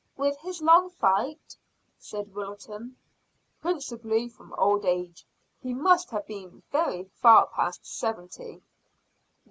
"With his long fight?" said Wilton. "Principally from old age. He must have been very far past seventy."